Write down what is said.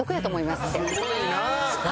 すごいな！